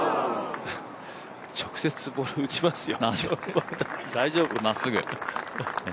直接ボール打ちますよ。